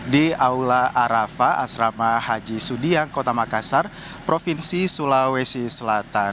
di aula arafah asrama haji sudiang kota makassar provinsi sulawesi selatan